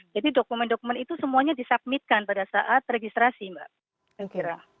jadi dokumen dokumen itu semuanya disubmitkan pada saat registrasi mbak